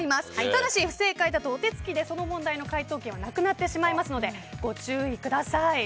ただし不正解だとお手つきでその問題の解答権はなくなってしまいますのでご注意ください。